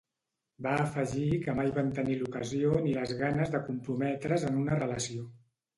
Va afegir que mai van tenir l'ocasió ni les ganes de comprometre's en una relació.